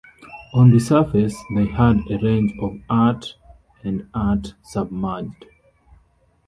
On the surface, they had a range of at and at submerged.